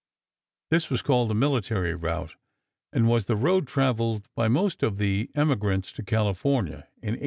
This was called the military route, and was the road traveled by most of the emigrants to California in 1849.